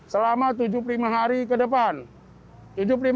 selama tujuh puluh lima hari